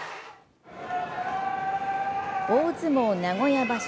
大相撲名古屋場所